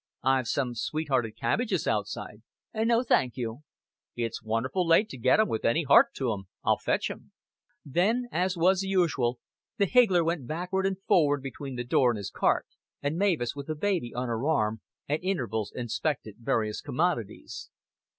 "I've some sweet hearted cabbages outside." "No, thank you." "It's wonderful late to get 'em with any heart to 'em. I'll fetch 'em." Thus, as was usual, the higgler went backward and forward between the door and his cart; and Mavis, with the baby on her arm, at intervals inspected various commodities.